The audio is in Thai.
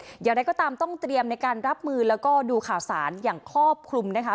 อย่างไรก็ตามต้องเตรียมในการรับมือแล้วก็ดูข่าวสารอย่างครอบคลุมนะคะ